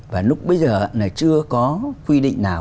và lúc bây giờ chưa có quy định nào